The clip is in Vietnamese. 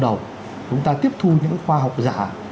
đầu chúng ta tiếp thu những khoa học giả